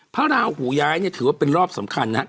พระราหูย้ายเนี่ยถือว่าเป็นรอบสำคัญนะครับ